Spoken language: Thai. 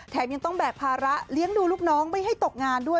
ยังต้องแบกภาระเลี้ยงดูลูกน้องไม่ให้ตกงานด้วย